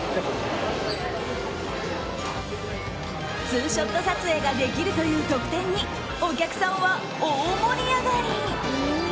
ツーショット撮影ができるという特典にお客さんは大盛り上がり！